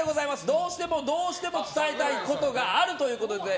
どうしてもどうしても伝えたい事があるということで。